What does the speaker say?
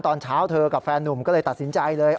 ตอนเช้าเธอกับแฟนนุ่มก็เลยตัดสินใจเลย